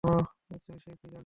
নিশ্চয়ই সে এক জালিম।